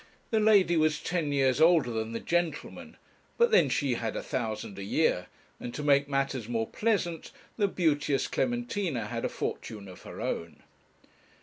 The lady was ten years older than the gentleman; but then she had a thousand a year, and, to make matters more pleasant, the beauteous Clementina had a fortune of her own.